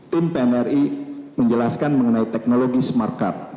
tim pnri menjelaskan mengenai teknologi smart card